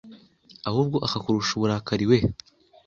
ahubwo akakurusha uburakari we